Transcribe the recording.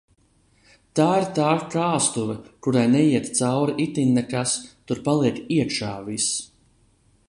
Tā ir tā kāstuve, kurai neiet cauri itin nekas, tur paliek iekšā viss.